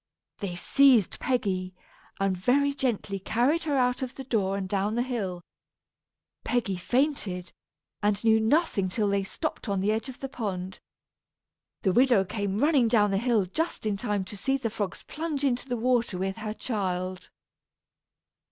They seized Peggy, and very gently carried her out of the door and down the hill. Peggy fainted, and knew nothing till they stopped on the edge of the pond. The widow came running down the hill just in time to see the frogs plunge into the water with her child.